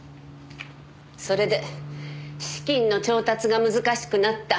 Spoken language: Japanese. それで資金の調達が難しくなった。